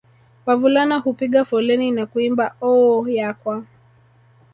Wavulana hupiga foleni na kuimba Oooooh yakwa